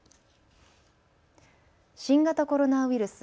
新型コロナウイルス。